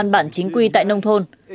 công an bản chính quy tại nông thôn